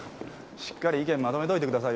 しっかり意見まとめといてくださいよ。